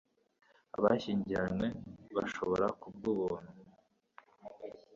abashyingiranywe bashobora, k'ubw'ubuntu